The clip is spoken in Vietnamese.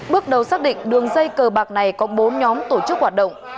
bước đầu xác định đường dây cờ bạc này có bốn nhóm tổ chức hoạt động